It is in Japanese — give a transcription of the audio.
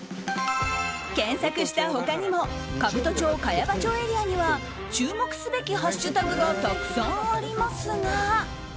検索した他にも兜町・茅場町エリアには注目すべきハッシュタグがたくさんありますが。